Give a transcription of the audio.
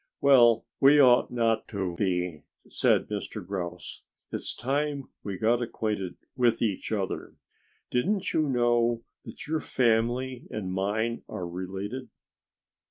"Well, we ought not to be," said Mr. Grouse. "It's time we got acquainted with each other. Didn't you know that your family and mine are related?"